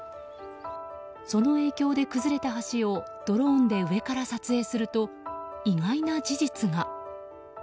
その影響で崩れた橋をドローンで上から撮影すると意外な事実が。